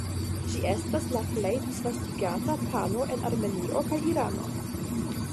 Ĝi estas la plej disvastigata pano en Armenio kaj Irano.